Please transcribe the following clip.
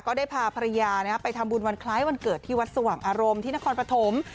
ได้พาภรรยาไปทำบุญวันคล้ายวันเกิดที่วัดสว่างอารมณ์ที่นครปฐม